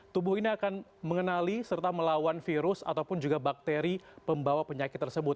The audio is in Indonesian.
tubuh ini akan mengenali serta melawan virus ataupun juga bakteri pembawa penyakit tersebut